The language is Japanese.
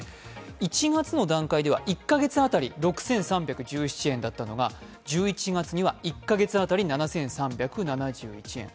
１月の段階では１カ月あたり６３１７円だったのが１１月には１カ月当たり７３７１円。